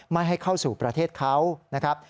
ไม่ให้เข้าสู่ประเทศเขา